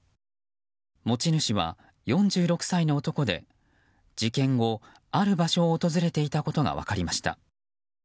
持ち主は、４６歳の男で事件後訪れていたことが分かりました。